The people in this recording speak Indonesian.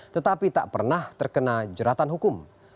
tetapi tak pernah terkena jeratan hukum